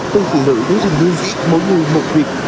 từ phụ nữ đến thành viên mỗi người một việc